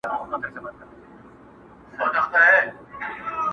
زولنې یې شرنګولې د زندان استازی راغی؛